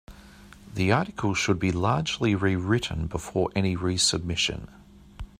The article should be largely rewritten before any resubmission.